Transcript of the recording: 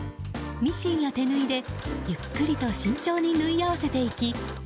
ミシンや手縫いで、ゆっくりと慎重に縫い合わせていき